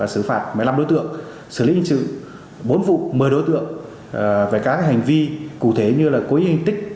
xử phạt một mươi năm đối tượng xử lý hình sự bốn vụ một mươi đối tượng về các hành vi cụ thể như là cố ý hình tích